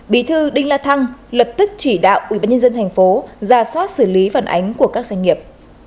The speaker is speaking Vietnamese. bí thư đinh la thăng lập tức chỉ đạo ubnd thành phố giả soát xử lý vận ánh của các doanh nghiệp